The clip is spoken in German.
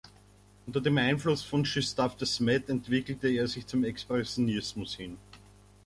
Unter dem Einfluss von Gustave de Smet entwickelte er sich zum Expressionismus hin.